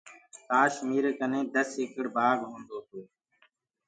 ڪآش ميرآ ڪنآ دس ايڪڙ بآگ هيندو۔